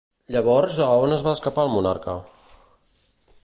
Llavors, a on va escapar el monarca?